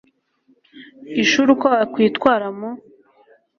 ishuri Uko wakwitwara mu